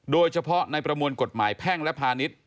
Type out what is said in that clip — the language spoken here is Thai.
โดยเฉพาะในประมวลกฎหมายแพ่งและพาณิชย์